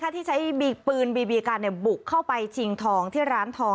ที่ใช้ปืนบีบีกันบุกเข้าไปชิงทองที่ร้านทอง